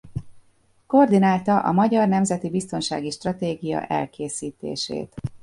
Koordinálta a magyar nemzeti biztonsági stratégia elkészítését.